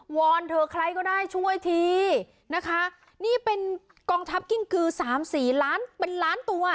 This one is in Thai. อนเธอใครก็ได้ช่วยทีนะคะนี่เป็นกองทัพกิ้งกือสามสี่ล้านเป็นล้านตัว